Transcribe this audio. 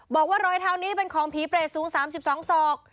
บอกว่ารอยเท้านี้เป็นของผีเปรตสูง๓๒ศอก